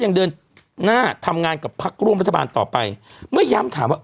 ยังเดินหน้าทำงานกับพักร่วมรัฐบาลต่อไปเมื่อย้ำถามว่า